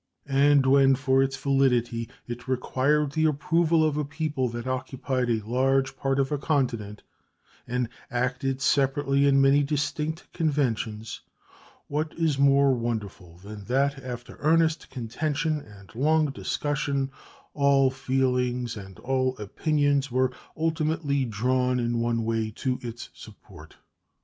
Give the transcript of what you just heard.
And when for its validity it required the approval of a people that occupied a large part of a continent and acted separately in many distinct conventions, what is more wonderful than that, after earnest contention and long discussion, all feelings and all opinions were ultimately drawn in one way to its support?